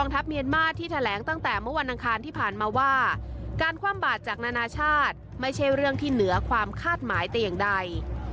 ที่ผ่านมาว่าการความบาดจากนานาชาติไม่ใช่เรื่องที่เหนือความคาดหมายแต่อย่างใด